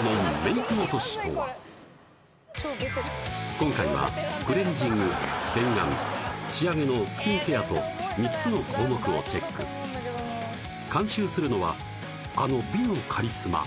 今回はクレンジング洗顔仕上げのスキンケアと３つの項目をチェック監修するのはあの美のカリスマ